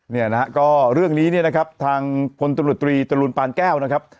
เนี่ยนะฮะก็เรื่องนี้เนี่ยนะครับทางพลตำรวจตรีจรูลปานแก้วนะครับ